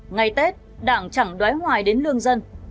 ngày tết đảng chẳng đoái hoài đến lương dân